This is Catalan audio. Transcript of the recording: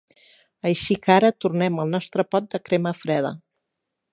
Així que ara tornem al nostre pot de crema freda.